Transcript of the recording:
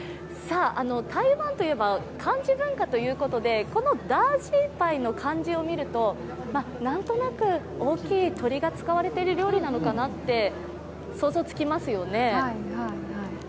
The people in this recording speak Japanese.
台湾といえば、漢字文化ということでこの大鶏排の漢字を見るとなんとなく大きい鶏が使われている料理なのかなって想像つきますよね。